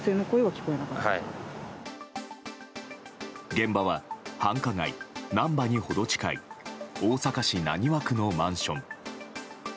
現場は繁華街・難波に程近い大阪市浪速区のマンション。